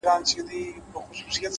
خاموش سکوت ذهن ژوروي؛